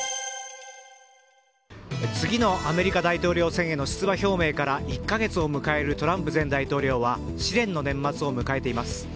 次のアメリカ大統領選への出馬表明から１か月を迎えるトランプ前大統領は試練の年末を迎えています。